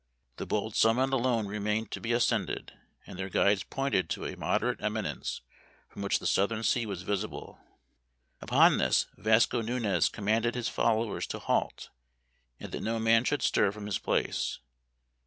The bold summit alone remained to be ascended, and their guides pointed to a moderate eminence from which the southern sea was visible. " Upon this Vasco Nunez commanded his fol lowers to halt, and that no man should stir from his place.